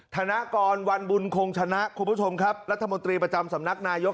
ธนกรวันบุญคงชนะคุณผู้ชมครับรัฐมนตรีประจำสำนักนายก